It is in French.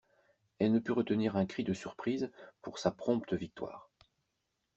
Elle ne put retenir un cri de surprise pour sa prompte victoire.